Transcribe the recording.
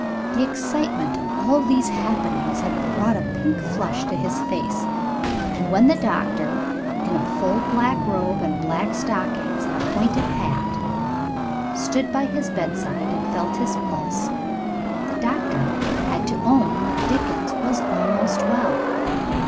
The excitement of all these happenings had brought a pink flush to his face, and when the doctor, in a full black robe and black stockings and a pointed hat, stood by his bedside and felt his pulse, the doctor had to own that Dickie was almost well.